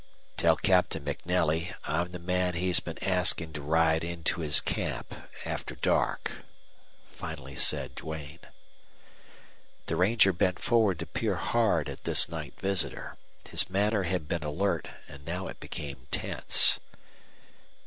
"Tell Captain MacNelly I'm the man he's been asking to ride into his camp after dark," finally said Duane. The ranger bent forward to peer hard at this night visitor. His manner had been alert, and now it became tense.